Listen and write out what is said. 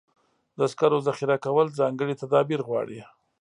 د سکرو ذخیره کول ځانګړي تدابیر غواړي.